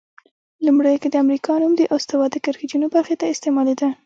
لومړیو کې د امریکا نوم د استوا د کرښې جنوب برخې ته استعمالیده.